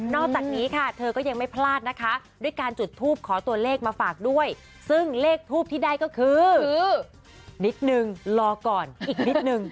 อกจากนี้ค่ะเธอก็ยังไม่พลาดนะคะด้วยการจุดทูปขอตัวเลขมาฝากด้วยซึ่งเลขทูปที่ได้ก็คือนิดนึงรอก่อนอีกนิดนึง